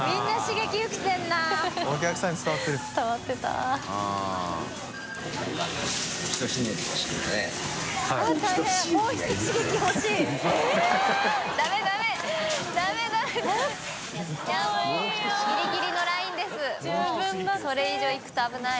淑世辰董それ以上いくと危ない。